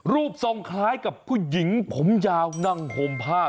รูปทรงคล้ายกับผู้หญิงผมยาวนั่งห่มผ้า